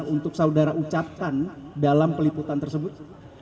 untuk saudara ucapkan dalam peliputan tersebut